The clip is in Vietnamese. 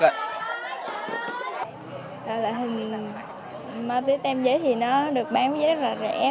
tại hình ma túy tem giấy thì nó được bán với giá rất là rẻ